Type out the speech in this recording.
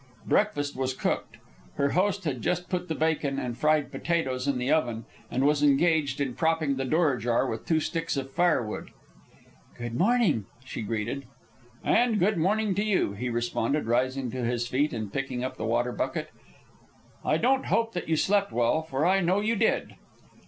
Breakfast was cooked. Her host had just put the bacon and fried potatoes in the oven, and was engaged in propping the door ajar with two sticks of firewood. "Good morning," she greeted. "And good morning to you," he responded, rising to his feet and picking up the water bucket. "I don't hope that you slept well, for I know you did."